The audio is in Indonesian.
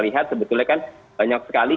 lihat sebetulnya kan banyak sekali